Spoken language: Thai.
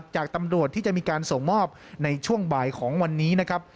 จากตำรวจที่จะมีการส่งมอบในช่วงบ่ายของวันนี้นะครับ